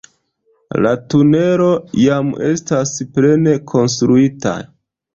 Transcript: La tunelo jam estas plene konstruita.